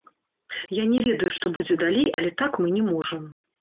Я не ведаю, што будзе далей, але так мы не можам.